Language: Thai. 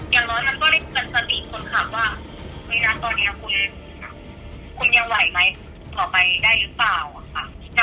อย่างน้อยมันก็ได้เป็นสติดคนขับว่ามีรักตอนนี้คุณยังไหวไหมออกไปได้หรือเปล่า